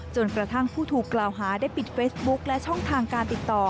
จนกระทั่งผู้ถูกกล่าวหาได้ปิดเฟซบุ๊คและช่องทางการติดต่อ